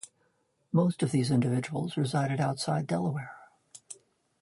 Most of these individuals resided outside Delaware.